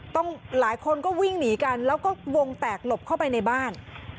หลายคนก็วิ่งหนีกันแล้วก็วงแตกหลบเข้าไปในบ้าน